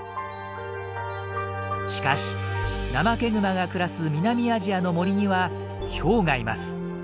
しかしナマケグマが暮らす南アジアの森にはヒョウがいます。